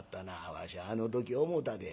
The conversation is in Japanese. わしゃあの時思たで。